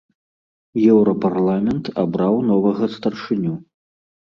Еўрапарламент абраў новага старшыню.